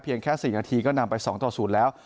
เพียงแค่๔นาทีก็นำไป๒๐แล้ว